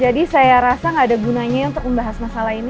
jadi saya rasa gak ada gunanya untuk membahas masalah ini